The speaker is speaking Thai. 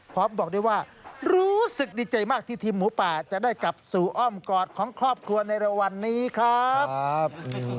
บอกได้ว่ารู้สึกดีใจมากที่ทีมหมูป่าจะได้กลับสู่อ้อมกอดของครอบครัวในเร็ววันนี้ครับ